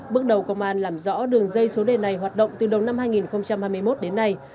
bước đầu công an làm rõ đường dây số đề này hoạt động từ đầu năm hai nghìn hai mươi một đến nay